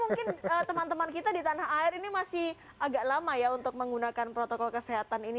mungkin teman teman kita di tanah air ini masih agak lama ya untuk menggunakan protokol kesehatan ini